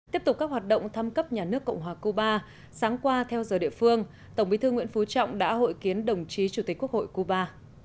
tiếp tục các hoạt động thăm cấp nhà nước cộng hòa cuba sáng qua theo giờ địa phương tổng bí thư nguyễn phú trọng đã hội kiến đồng chí chủ tịch quốc hội cuba